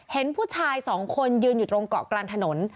เห็นผู้ชายสองคนยืนอยู่ตรงเกาะกลางถนน